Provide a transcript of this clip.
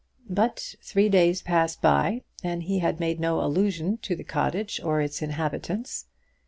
But three days passed by, and he had made no allusion to the cottage or its inhabitants.